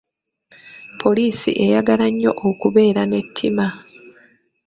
Poliisi eyagala nnyo okubeera n'ettima.